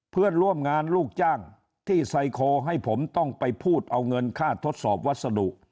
เพื่อนร่วมงานลูกจ้างที่ไซโคให้ผมต้องไปพูดเอาเงินค่าทดสอบวัสดุ